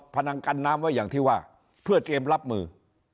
พนังกันน้ำไว้อย่างที่ว่าเพื่อเตรียมรับมือ